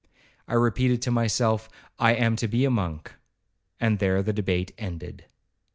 I repeated to myself, 'I am to be a monk,' and there the debate ended.